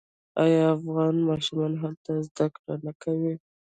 آیا افغان ماشومان هلته زده کړې نه کوي؟